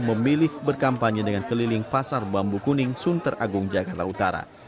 memilih berkampanye dengan keliling pasar bambu kuning sunter agung jakarta utara